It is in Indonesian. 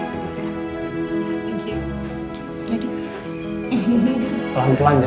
makasih makasih pak rendee